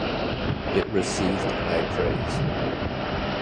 It received high praise.